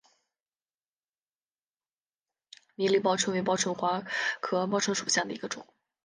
迷离报春为报春花科报春花属下的一个种。